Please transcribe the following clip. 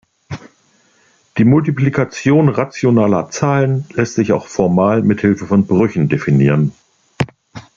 Die Multiplikation rationaler Zahlen lässt sich auch formal mit Hilfe von Brüchen definieren.